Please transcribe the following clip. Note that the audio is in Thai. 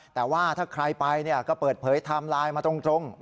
แต่ว่าถ้าใครไปก็เปิดเผยไทม์ไลน์มาตรง